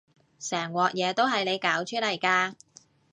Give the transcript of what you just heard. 成鑊嘢都係你搞出嚟㗎